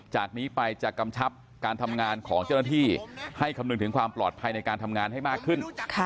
จากนี้ไปจะกำชับการทำงานของเจ้าหน้าที่ให้คำนึงถึงความปลอดภัยในการทำงานให้มากขึ้น